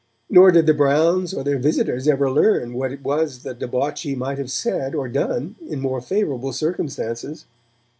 Nor did the Browns or their visitors ever learn what it was the debauchee might have said or done in more favourable circumstances.